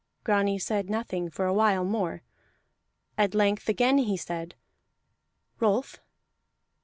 Grani said nothing for a while more; at length again he said, "Rolf."